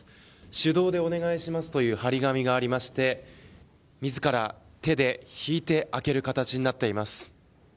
手動でお願いしますという貼り紙がありまして自ら手で引いて開ける形になっています。